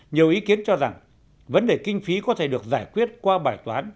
nhiều ý kiến cho rằng vấn đề kinh phí có thể được giải quyết qua bài toán